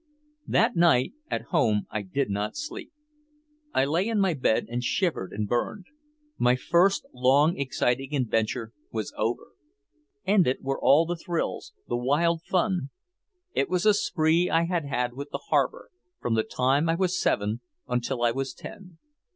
That night at home I did not sleep. I lay in my bed and shivered and burned. My first long exciting adventure was over. Ended were all the thrills, the wild fun. It was a spree I had had with the harbor, from the time I was seven until I was ten.